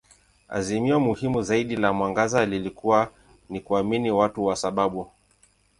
Azimio muhimu zaidi la mwangaza lilikuwa ni kuamini watu kwa sababu.